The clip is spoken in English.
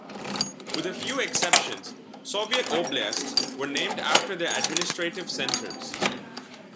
With a few exceptions, Soviet oblasts were named after their administrative centers.